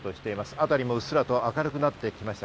あたりもうっすらと明るくなってきました。